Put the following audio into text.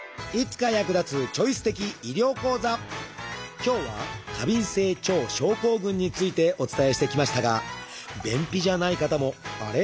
今日は過敏性腸症候群についてお伝えしてきましたが便秘じゃない方もあれ？